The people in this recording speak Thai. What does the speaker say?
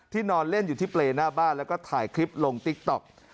นอนเล่นอยู่ที่เปรย์หน้าบ้านแล้วก็ถ่ายคลิปลงติ๊กต๊อก